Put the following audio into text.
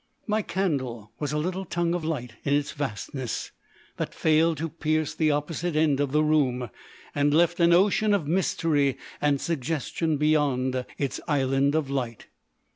My candle was a little tongue of light in its vastness, that failed to pierce the opposite end of the room, and left an ocean of mystery and suggestion beyond its island of light.